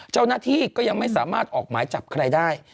เจ้าหน้าที่ก็ยังไม่สามารถออกหมายจับใครได้